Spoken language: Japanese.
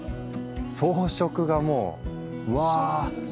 装飾がもううわ。